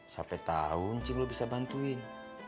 sampai tahu encing lu bisa bantuin